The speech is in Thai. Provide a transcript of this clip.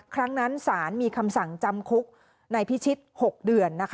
ครั้งนั้นศาลมีคำสั่งจำคุกในพิชิต๖เดือน